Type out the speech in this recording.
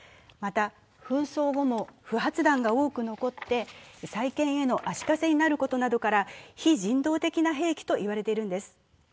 また、紛争後も不発弾が多く残って再建への足かせになることなどから非人道的な兵器と言われているんです。